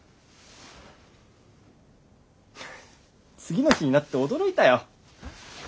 次の日になって驚いたよ。